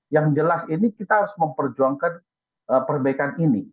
yang jelas ini kita harus memperjuangkan perbaikan ini